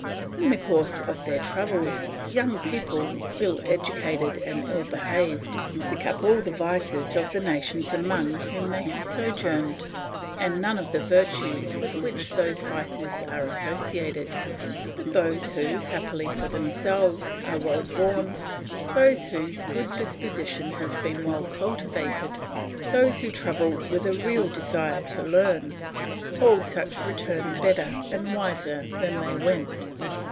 In the course of their travels, young people, ill educated and ill behaved, pick up all the vices of the nations among whom they have sojourned, and none of the virtues with which those vices are associated; but those who, happily for themselves, are well born, those whose good disposition has been well cultivated, those who travel with a real desire to learn, all such return better and wiser than they went.